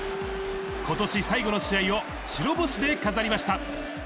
ことし最後の試合を白星で飾りました。